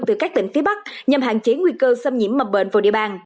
từ các tỉnh phía bắc nhằm hạn chế nguy cơ xâm nhiễm mập bệnh vào địa bàn